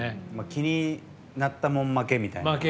気になったもん負けみたいな。